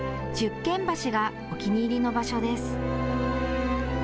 十間橋がお気に入りの場所です。